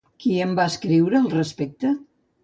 Qui en va escriure al respecte?